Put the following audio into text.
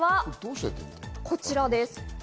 こちらです。